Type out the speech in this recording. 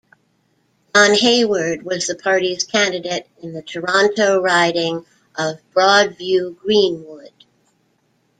Don Hayward was the party's candidate in the Toronto riding of Broadview-Greenwood.